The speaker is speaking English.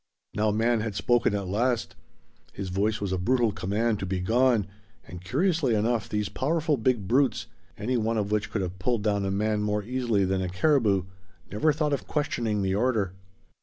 Now man had spoken at last; his voice was a brutal command to be gone, and curiously enough these powerful big brutes, any one of which could have pulled down a man more easily than a caribou, never thought of questioning the order.